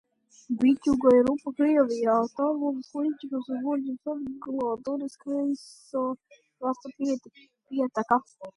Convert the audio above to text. Bitjuga ir upe Krievijā, Tambovas, Ļipeckas un Voroņežas apgabalā, Donas kreisā krasta pieteka.